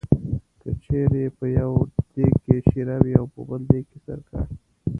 که چېرې په یو دېګ کې شېره وي او بل دېګ کې سرکه.